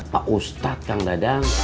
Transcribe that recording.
pak ustadz kang dadang